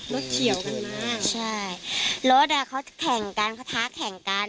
รถเฉียวกันมากใช่รถเขาจะแข่งกันเขาท้าแข่งกัน